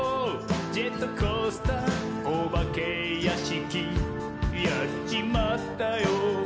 ジェットコースターおばけやしき」「やっちまったよ！